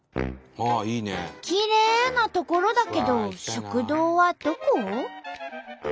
きれいな所だけど食堂はどこ？